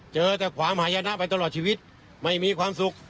เจอแต่ความหายนะไปตลอดชีวิตไม่มีความสุข